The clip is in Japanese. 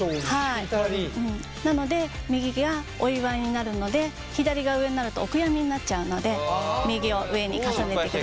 なので右がお祝いになるので左が上になるとお悔やみになっちゃうので右を上に重ねてください。